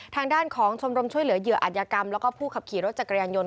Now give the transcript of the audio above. ทางด้านของชมรมช่วยเหลือเหยื่ออัธยกรรมแล้วก็ผู้ขับขี่รถจักรยานยนต